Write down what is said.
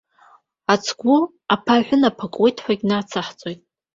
Ацгәы аԥа аҳәынаԥ акуеит ҳәагьы нацаҳҵоит.